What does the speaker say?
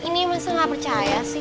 ini emang saya gak percaya sih